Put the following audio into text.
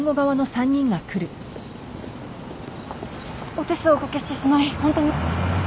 お手数をお掛けしてしまいホントに。